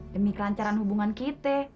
demi kelancaran hubungan kita